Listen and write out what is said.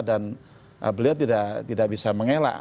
dan beliau tidak bisa mengelak